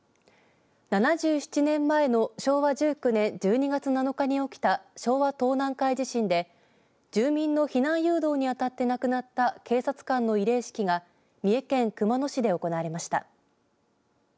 ７７年前の昭和１９年１２月７日に起きた昭和東南海地震で住民の避難誘導にあたって亡くなった警察官の慰霊式が三重県熊野市で行われました。